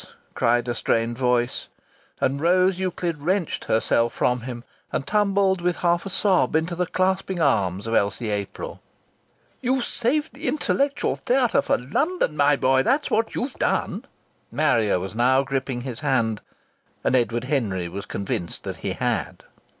cried a strained voice, and Rose Euclid wrenched herself from him and tumbled with half a sob into the clasping arms of Elsie April. "You've saved the intellectual theatah for London, my boy! That's what you've done!" Marrier now was gripping his hand. And Edward Henry was convinced that he had.